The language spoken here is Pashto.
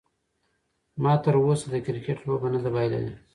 ما تر اوسه د کرکټ لوبه نه ده بایللې.